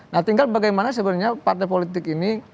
nah tinggal bagaimana sebenarnya partai politik ini